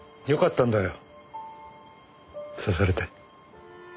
よかったんだよ刺されて。